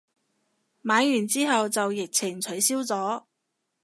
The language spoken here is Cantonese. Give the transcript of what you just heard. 買完之後就疫情取消咗